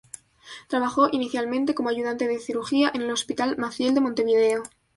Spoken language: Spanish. Trabajó inicialmente como ayudante de cirugía en el Hospital Maciel de Montevideo.